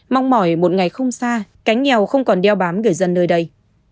mong mỏi một ngày không xa cánh nghèo không còn đeo bám người dân nơi đây